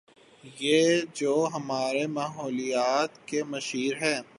یہ جو ہمارے ماحولیات کے مشیر ہیں۔